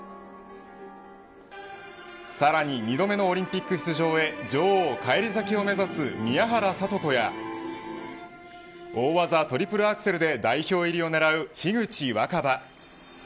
さらに２度目のオリンピック出場へ女王返り咲きを目指す宮原知子や大技トリプルアクセルで代表入りを狙う樋口新葉。